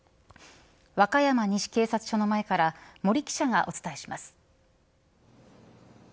和歌山西警察署の前から森記者がお伝えします。